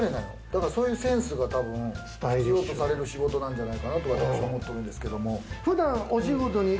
だから、そういうセンスが必要とされる仕事なんじゃないかなと思ってるんですけど。